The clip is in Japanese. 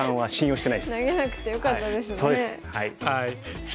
投げなくてよかったですね。